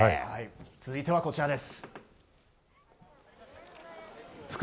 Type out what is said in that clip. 続いてはこちらです。